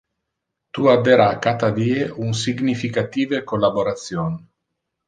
Tu addera cata die un significative collaboration!